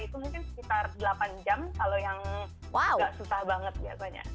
itu mungkin sekitar delapan jam kalau yang agak susah banget biasanya